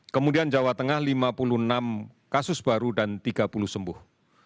kemudian jawa tengah lima puluh enam kasus baru dan tiga puluh sembuh